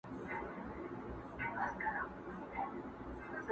پر کهاله باندي یې زېری د اجل سي،